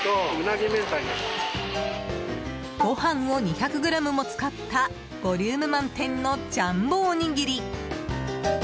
ご飯を２００ｇも使ったボリューム満点のジャンボおにぎり。